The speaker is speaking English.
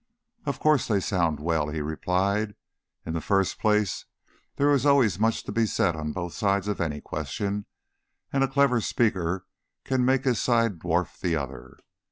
"Of course they sound well," he replied. "In the first place there is always much to be said on both sides of any question, and a clever speaker can make his side dwarf the other.